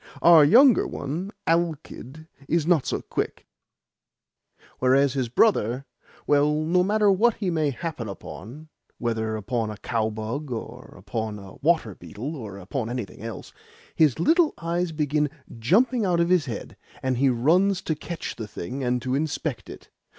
Our younger one, Alkid, is not so quick; whereas his brother well, no matter what he may happen upon (whether upon a cowbug or upon a water beetle or upon anything else), his little eyes begin jumping out of his head, and he runs to catch the thing, and to inspect it.